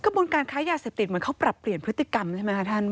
กระบวนการค้ายาเสพติดเหมือนเขาปรับเปลี่ยนพฤติกรรมใช่ไหมคะท่าน